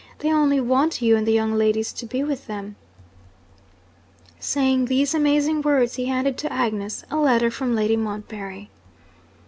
They only want you and the young ladies to be with them.' Saying these amazing words, he handed to Agnes a letter from Lady Montbarry.